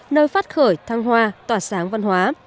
nơi phát khởi thăng hoa tỏa sáng văn hóa